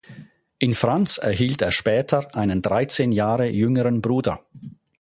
In Franz erhielt er später einen dreizehn Jahre jüngeren Bruder.